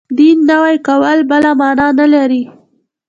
دین نوی کول بله معنا نه لري.